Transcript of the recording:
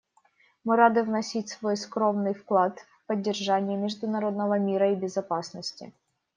Мы рады вносить свой скромный вклад в поддержание международного мира и безопасности.